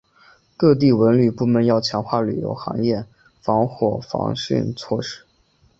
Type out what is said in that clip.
各地文旅部门要强化旅游行业防火防汛措施